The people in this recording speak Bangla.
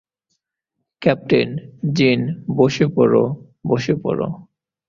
ক্যাপ্টেন, জিন, বসে পড়ো, বসে পড়ো।